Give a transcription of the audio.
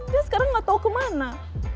dia sekarang nggak tahu kemana